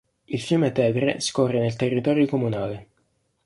Il fiume Tevere scorre nel territorio comunale.